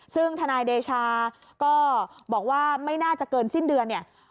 ซึ่งทนายเดชาก็บอกว่าไม่น่าจะเกินสิ้นเดือนเนี่ย